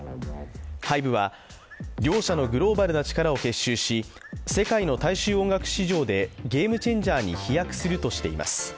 ＨＹＢＥは両社のグローバルな力を結集し世界の大衆音楽市場でゲームチェンジャーに飛躍するとしています。